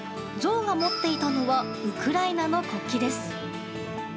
ゾウが持っていたのはウクライナの国旗です。